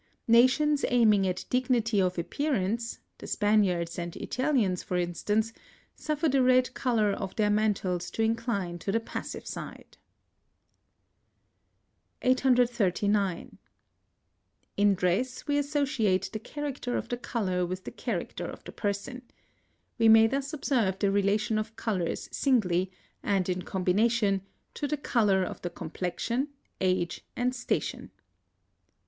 Nations aiming at dignity of appearance, the Spaniards and Italians for instance, suffer the red colour of their mantles to incline to the passive side. 839. In dress we associate the character of the colour with the character of the person. We may thus observe the relation of colours singly, and in combination, to the colour of the complexion, age, and station.